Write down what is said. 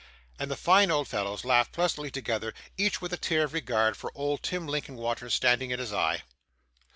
And the fine old fellows laughed pleasantly together: each with a tear of regard for old Tim Linkinwater standing in his eye.